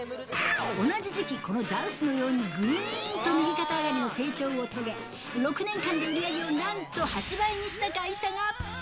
同じ時期、このザウスのように、ぐーんと右肩上がりの成長を遂げ、６年間で売り上げをなんと８倍にした会社が。